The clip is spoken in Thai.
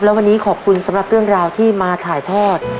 แล้ววันนี้ขอบคุณสำหรับเรื่องราวในทายถอด